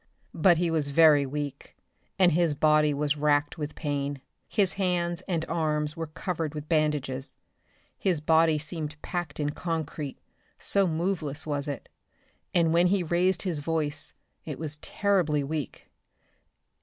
But he was very weak, and his body was racked with pain. His hands and arms were covered with bandages. His body seemed packed in concrete, so moveless was it, and when he raised his voice it was terribly weak.